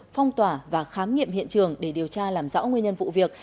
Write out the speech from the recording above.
phong tỏa và khám nghiệm hiện trường để điều tra làm rõ nguyên nhân vụ việc